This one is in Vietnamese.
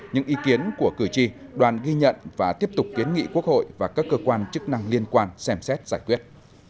những ý kiến của cử tri đoàn ghi nhận và tiếp tục kiến nghị quốc hội và các cơ quan chức năng liên quan xem xét giải quyết